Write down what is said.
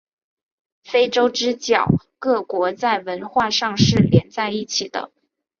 非洲之角各国在文化上是连在一起的。